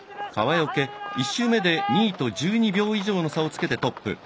川除、１周目で２位と１２秒以上の差をつけてトップ。